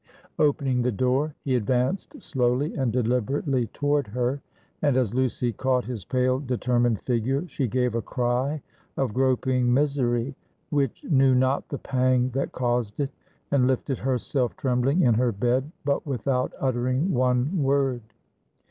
Opening the door, he advanced slowly and deliberately toward her; and as Lucy caught his pale determined figure, she gave a cry of groping misery, which knew not the pang that caused it, and lifted herself trembling in her bed; but without uttering one word.